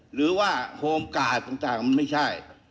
หรือว่าโฮมกาดต่างมันไม่ใช่